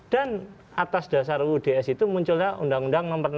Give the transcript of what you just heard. dan atas dasar uuds itu munculnya undang undang nomor enam tahun seribu sembilan ratus lima puluh